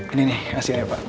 ini nih asyik aja pak